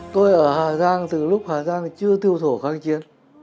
tôi ở hà giang từ lúc hà giang chưa tiêu thổ kháng chiến